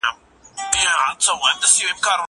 زه اجازه لرم چي اوبه پاک کړم!!